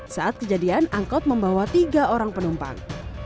saat kejadian angkot membawa tiga orang penumpang